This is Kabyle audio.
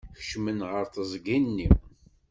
Kecmen ɣer teẓgi-nni.